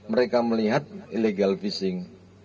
mereka melihat illegal fishing